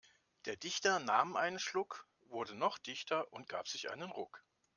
Der Dichter nahm einen Schluck, wurde noch dichter und gab sich einen Ruck.